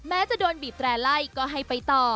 จะโดนบีบแตร่ไล่ก็ให้ไปต่อ